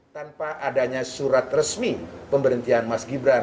tanpa adanya surat resmi pemberhentian mas gibran